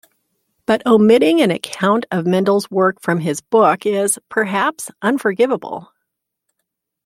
But omitting an account of Mendel's work from his book is, perhaps, unforgivable.